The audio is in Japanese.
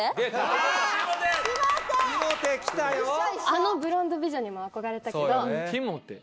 あのブロンド美女にも憧れたけど。